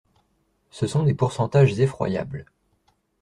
Ce sont des pourcentages effroyables.